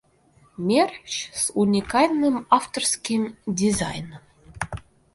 Мерч с уникальным авторским дизайном.